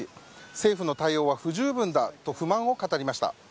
政府の対応は不十分だと不満を語りました。